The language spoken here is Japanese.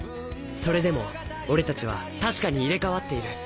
それでも俺たちは確かに入れ替わっている。